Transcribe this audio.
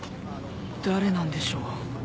誰なんでしょう？